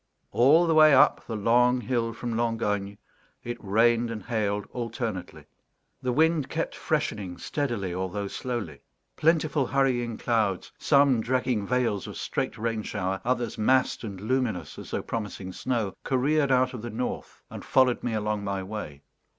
All the way up the long hill from Langogne it rained and hailed alternately; the wind kept freshening steadily, although slowly; plentiful hurrying clouds some, dragging veils of straight rain shower, others massed and luminous as though promising snow careered out of the north and followed me along my way.